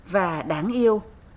và đáng yêu